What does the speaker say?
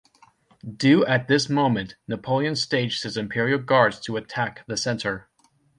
Due at this moment Napoleon staged his Imperial Guards to attack the center.